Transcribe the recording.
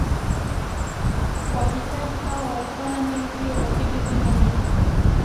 wahitaji hao walipanda meli hiyo kwa tiketi moja